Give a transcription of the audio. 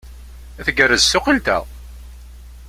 Tgerrez tsuqilt-a!